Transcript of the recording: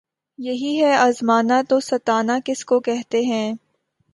یہی ہے آزمانا‘ تو ستانا کس کو کہتے ہیں!